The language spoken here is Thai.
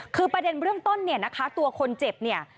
คือประเด็นเบื้องต้นเนี่ยนะคะตัวคนเจ็บเนี่ย